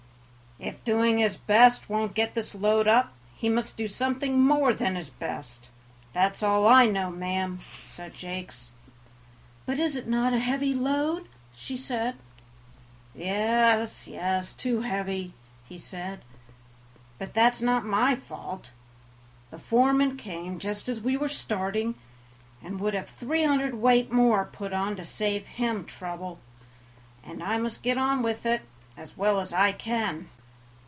"If doing his best won't get this load up he must do something more than his best; that's all I know, ma'am," said Jakes. "But is it not a heavy load?" she said. "Yes, yes, too heavy," he said; "but that's not my fault; the foreman came just as we were starting, and would have three hundredweight more put on to save him trouble, and I must get on with it as well as I can."